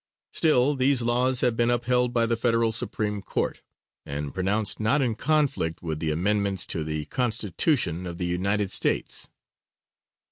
Still these laws have been upheld by the Federal Supreme Court, and pronounced not in conflict with the amendments to the Constitution of the United States.